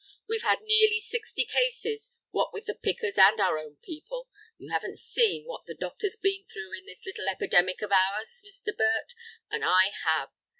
We've had nearly sixty cases, what with the pickers and our own people. You haven't seen what the doctor's been through in this little epidemic of ours, Mr. Burt, and I have.